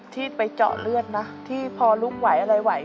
ที่ไปเจาะเลือดนะที่พอลุกไหวอะไรไหว